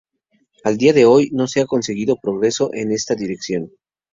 A día de hoy, no se ha conseguido progreso en esta dirección.